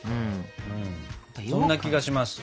そんな気がします。